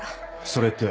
それって。